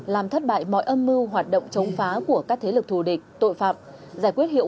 làm thất bại mọi âm mưu hoạt động chống phá của các thế lực thù địch tội phạm giải quyết hiệu quả